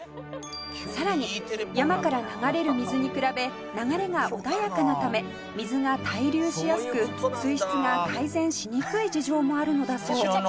「更に山から流れる水に比べ流れが穏やかなため水が滞留しやすく水質が改善しにくい事情もあるのだそう」